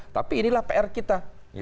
tapi inilah pr kita